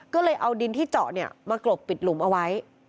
ก็เลยเอาดินที่เจาะมากรบปิดหลุมเอาไว้